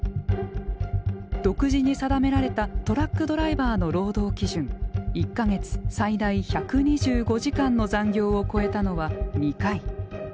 独自に定められたトラックドライバーの労働基準１か月最大１２５時間の残業を超えたのは２回。